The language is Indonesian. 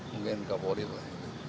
mungkin kamu orin lah